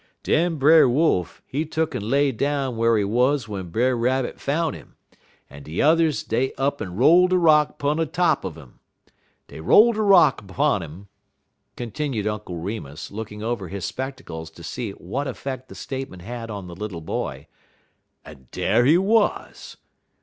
"Den Brer Wolf, he tuck'n lay down whar he wuz w'en Brer Rabbit foun' 'im, en de yuthers dey up'n roll de rock 'pun top un 'im. Dey roll de rock 'pun 'im," continued Uncle Remus, looking over his spectacles to see what effect the statement had on the little boy, "en dar he wuz.